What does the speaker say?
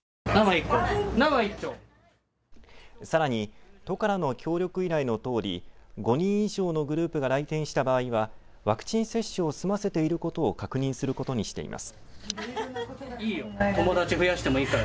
さらに都からの協力依頼のとおり５人以上のグループが来店した場合はワクチン接種を済ませていることを確認することにしています。